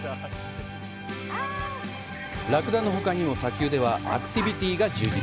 ラクダのほかにも砂丘ではアクティビティが充実。